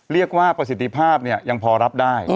เรียกว่าประสิทธิภาพยังพอรับได้